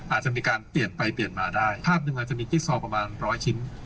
อาจจะมีการเปลี่ยนไปเปลี่ยนมาได้ภาพหนึ่งอาจจะมีจิ๊กซอลประมาณร้อยชิ้น